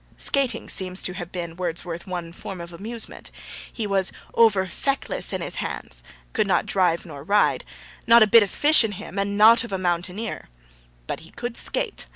Skating seems to have been Wordsworth's one form of amusement. He was 'over feckless i' his hands' could not drive or ride 'not a bit of fish in him,' and 'nowt of a mountaineer.' But he could skate.